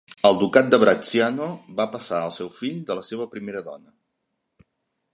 El ducat de Bracciano va passar al seu fill de la seva primera dona.